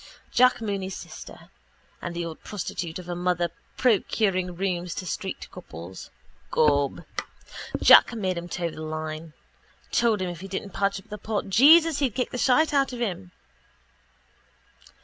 Jack Mooney's sister. And the old prostitute of a mother procuring rooms to street couples. Gob, Jack made him toe the line. Told him if he didn't patch up the pot, Jesus, he'd kick the shite out of him.